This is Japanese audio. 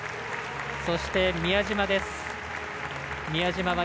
そして、宮島です。